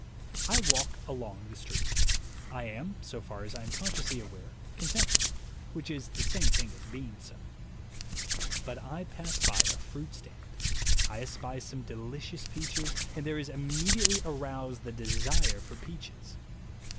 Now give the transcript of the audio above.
I walk along the street. I am, so far as I am consciously aware, content ; which is the same thing as being so. But I pass a fruit stand; I espy some delicious peaches, and there is immediately aroused the desire for peaches.